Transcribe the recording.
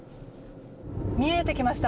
見えてきました。